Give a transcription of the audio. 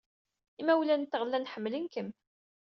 Imawlan-nteɣ llan ḥemmlen-kem.